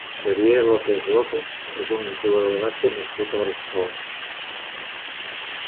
Xavier López López és un jugador de bàsquet nascut a Barcelona.